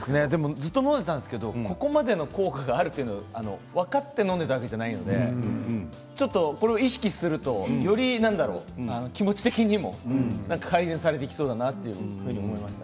ずっと飲んでいたんですけどここまでの効果があると分かって飲んでいたわけじゃないのでこれを意識するとより気持ち的にも改善されてきそうだなというふうに思いました。